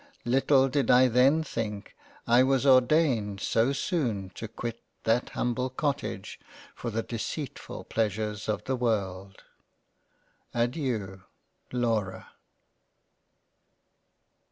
little did I then think I was ordained so soon to quit that humble Cottage for the Deceitfull Pleasures of the World. Adeiu Laura.